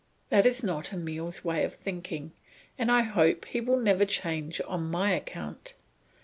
That is not Emile's way of thinking, and I hope he will never change on my account.